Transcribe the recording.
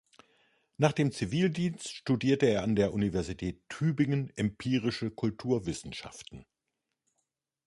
Nach dem Zivildienst studierte er an der Universität Tübingen empirische Kulturwissenschaften.